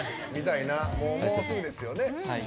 もうすぐですよね。